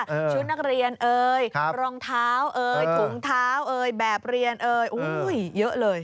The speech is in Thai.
ชุดนักเรียนรองเท้าถุงเท้าแบบเรียนเยอะเลย